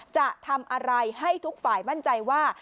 จะทำอะไรให้ทุกฝ่ายมั่นใจว่า